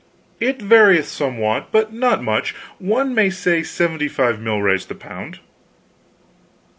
"It varieth somewhat, but not much; one may say seventy five milrays the pound."